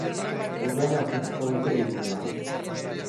Gurean aurkeztuko dute liburua.